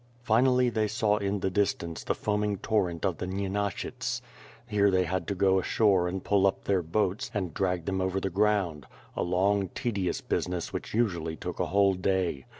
Finally they saw in the distance the foaming torrent of the Nyenashyts. Here they had to go ashore and pull up their boats, and drag them over the ground; a long tedious business which usually took a whole day.